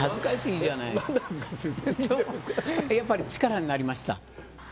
やっぱり力になりました。